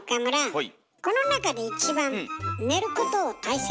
はい。